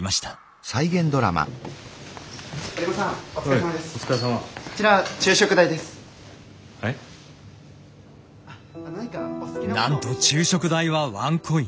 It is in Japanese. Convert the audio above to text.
なんと昼食代はワンコイン。